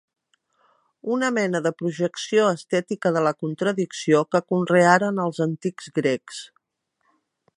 Una mena de projecció estètica de la contradicció que conrearen els antics grecs.